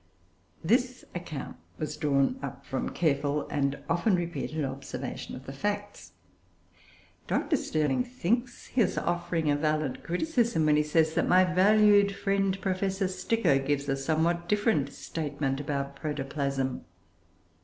That account was drawn up from careful and often repeated observation of the facts. Dr. Stirling thinks he is offering a valid criticism, when he says that my valued friend Professor Stricker gives a somewhat different statement about protoplasm.